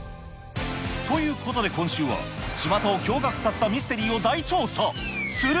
ということで今週は、ちまたを驚がくさせたミステリーを大調査。